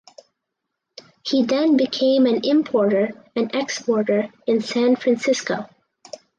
He then became an importer and exporter in San Francisco.